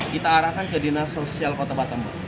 kita arahkan ke dinas sosial kota batam